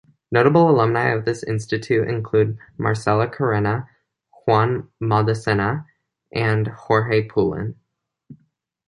Notable alumni of this institute include Marcela Carena, Juan Maldacena, and Jorge Pullin.